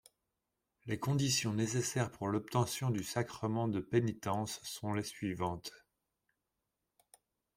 Les conditions nécessaires pour l'obtention du sacrement de pénitence sont les suivantes.